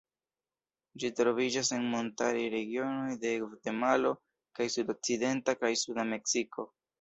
Ĝi troviĝas en montaraj regionoj de Gvatemalo kaj sudokcidenta kaj suda Meksiko.